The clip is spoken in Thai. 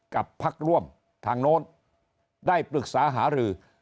พักร่วมทางโน้นได้ปรึกษาหารือ